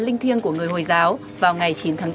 linh thiêng của người hồi giáo vào ngày chín tháng bốn